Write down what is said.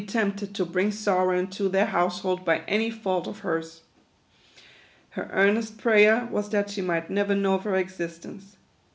tempted to bring sorrow into their household by any fault of hers. Her earnest prayer was that she might never know of her existence.